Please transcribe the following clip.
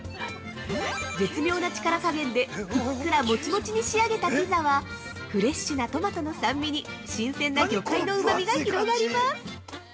絶妙な力加減でふっくらモチモチに仕上げたピザはフレッシュなトマトの酸味に新鮮な魚介のうまみが広がります。